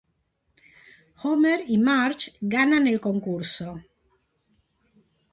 Homer y Marge ganan el concurso.